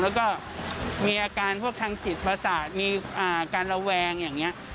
แล้วก็มีอาการพวกทางจิตประสาทมีการระแวงอย่างนี้